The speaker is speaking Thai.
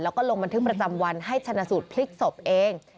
แล้วก็ลงบันทึกประจำวันให้ชนะสูตรพลิกศพเอง